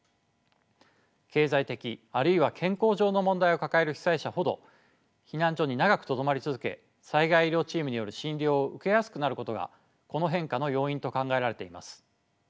経済的あるいは健康上の問題を抱える被災者ほど避難所に長くとどまり続け災害医療チームによる診療を受けやすくなることがこの変化の要因と考えられています。